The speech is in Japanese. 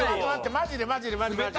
マジでマジでマジで。